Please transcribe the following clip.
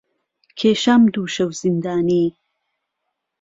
کێشام دوو شەو زیندانی